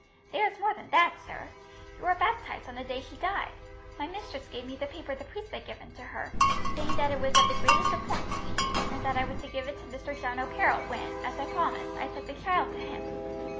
"There is more than that, sir. You were baptized on the day she died. My mistress gave me the paper the priest had given to her, saying that it was of the greatest importance to you, and that I was to give it to Mr. John O'Carroll when, as I promised, I took the child to him."